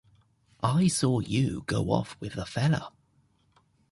I saw you go off with a fellah.